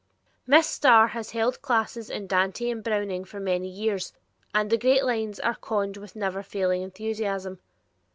Miss Starr has held classes in Dante and Browning for many years, and the great lines are conned with never failing enthusiasm.